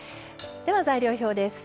では材料表です。